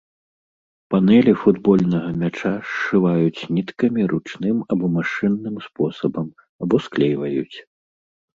Панэлі футбольнага мяча сшываюць ніткамі ручным або машынным спосабам, або склейваюць.